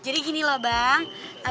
jadi gini loh bang